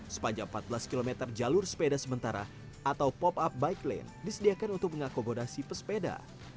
sepanjang empat belas km jalur sepeda sementara atau pop up bike lane disediakan untuk mengakomodasi pesepeda